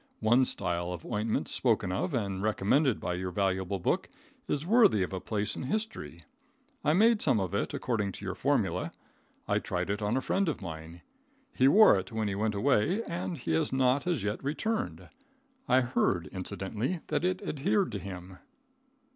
One style of ointment spoken of and recommended by your valuable book, is worthy of a place in history. I made some of it according to your formula. I tried it on a friend of mine. He wore it when he went away, and he has not as yet returned. I heard, incidentally, that it adhered to him.